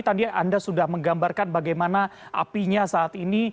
tadi anda sudah menggambarkan bagaimana apinya saat ini